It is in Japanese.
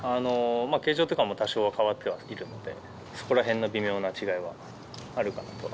形状とかも多少は変わってきているとは思うので、そこらへんの微妙な違いはあるかなと。